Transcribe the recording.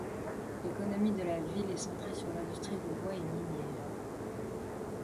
L'économie de la ville est centrée sur l'industrie du bois et minière.